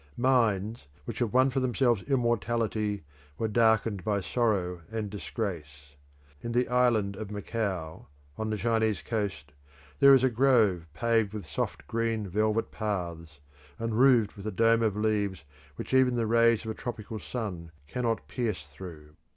Minds which have won for themselves immortality were darkened by sorrow and disgrace. In the island of Macao, on the Chinese coast, there is a grove paved with soft green velvet paths, and roofed with a dome of leaves which even the rays of a tropical sun cannot pierce through.